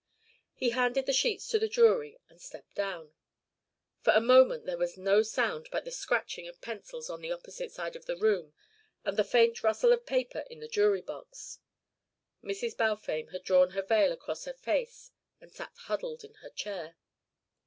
He handed the sheets to the jury and stepped down. For a moment there was no sound but the scratching of pencils on the opposite side of the room and the faint rustle of paper in the jury box. Mrs. Balfame had drawn her veil across her face and sat huddled in her chair.